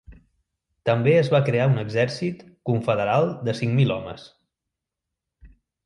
També es va crear un exèrcit confederal de cinc mil homes.